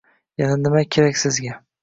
Yana nima kerak Sizga?